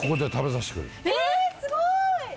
えすごい。